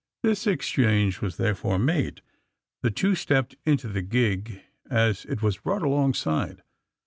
This exchange was therefore made. The two stepped into the gig as it was brought alongside.